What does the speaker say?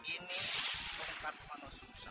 ini penggantian manusia